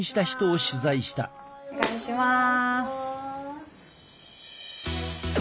お願いします。